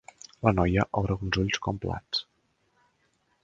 La noia obre uns ulls com plats.